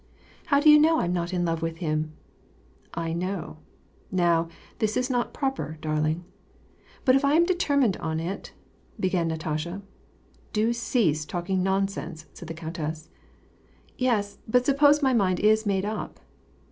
" How do you know I'm not in love with him ?"" I know. Now, this is not proper, darling." "But if I am determined on it," began Natasha. " Do cease talking nonsense !" said the countess. "Yes, but suppose my mind is made up."